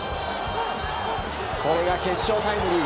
これが決勝タイムリー。